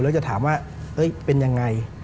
แล้วจะถามว่าเป็นยังไง